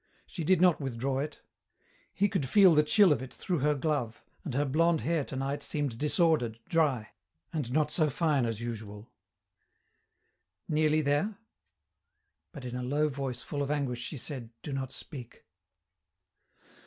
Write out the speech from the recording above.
She did not withdraw it. He could feel the chill of it through her glove, and her blonde hair tonight seemed disordered, dry, and not so fine as usual. "Nearly there?" But in a low voice full of anguish she said, "Do not speak."